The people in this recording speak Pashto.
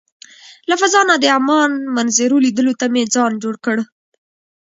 له فضا نه د عمان منظرو لیدلو ته مې ځان جوړ کړ.